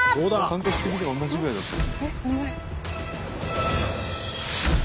感覚的には同じぐらいだった。